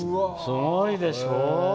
すごいでしょ。